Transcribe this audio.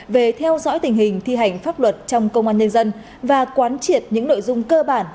về theo dõi tình hình thi hành pháp luật trong công an nhân dân và quán triệt những nội dung cơ bản